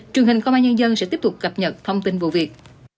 truyền hình công an nhân dân sẽ tiếp tục cập nhật thông tin vụ việc